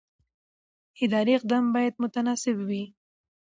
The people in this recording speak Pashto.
اداري اقدام باید متناسب وي.